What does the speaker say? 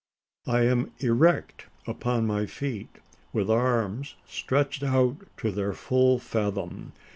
I am erect upon my feet, with arms stretched out to their full fathom.